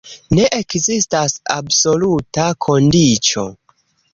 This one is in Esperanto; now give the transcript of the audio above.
Ne ekzistas absoluta kondiĉo.